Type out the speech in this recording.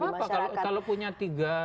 tidak apa apa kalau punya tiga